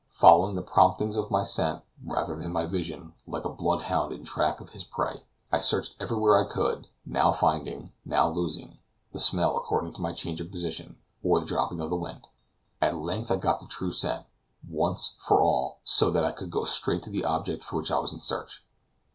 Following the promptings of my scent, rather than my vision, like a bloodhound in track of his prey. I searched everywhere I could, now finding, now losing, the smell according to my change of position, or the dropping of the wind. At length I got the true scent, once for all, so that I could go straight to the object for which I was in search.